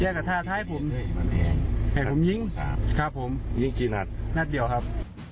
ยังก็ทาท้ายผมให้ผมยิ้งครับผมยิ้งกี่นัดนัดเดียวครับ